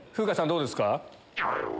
どうですか？